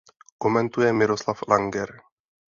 Komentuje Miroslav Langer.